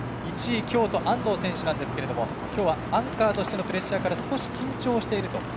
１位、京都、安藤選手なんですがきょうはアンカーとしてのプレッシャーから少し緊張していると。